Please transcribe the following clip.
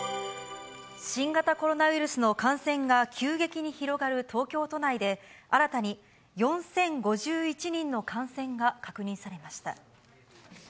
新型コロナウイルスの感染が急激に広がる東京都内で、新たに４０５１人の感染が確認されました。